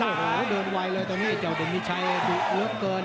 โอ้โหโดนไวเลยตอนนี้เจ้าเดมีชัยดุเหลือเกิน